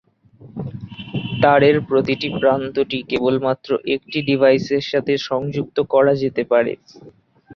তারের প্রতিটি প্রান্তটি কেবলমাত্র একটি ডিভাইসের সাথে সংযুক্ত করা যেতে পারে।